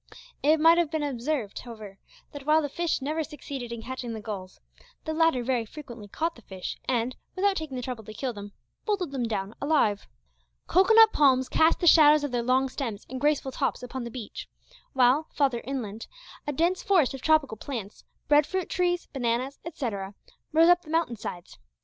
It might have been observed, however, that while the fish never succeeded in catching the gulls, the latter very frequently caught the fish, and, without taking the trouble to kill them, bolted them down alive. Cocoanut palms cast the shadows of their long stems and graceful tops upon the beach, while, farther inland, a dense forest of tropical plants bread fruit trees, bananas, etcetera rose up the mountain sides.